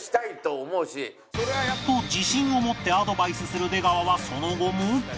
と自信を持ってアドバイスする出川はその後も